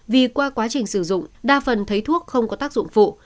vì qua quá trình sử dụng đa phần thấy thuốc không có tác dụng phụ